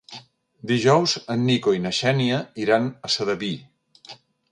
Dijous en Nico i na Xènia iran a Sedaví.